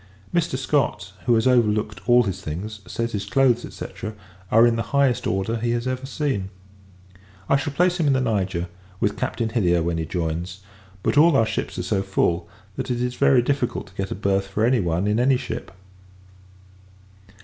Mr. Scott, who has overlooked all his things, says, his clothes, &c. are in the highest order he has ever seen. I shall place him in the Niger, with Captain Hilliar, when he joins; but, all our ships are so full, that it is very difficult to get a birth for one in any ship.